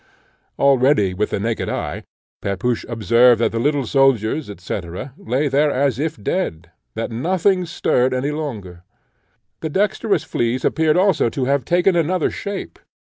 Already, with the naked eye, Pepusch observed that the little soldiers, &c. lay there as if dead, that nothing stirred any longer. The dexterous fleas appeared also to have taken another shape.